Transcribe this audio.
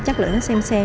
chất lượng nó xem xem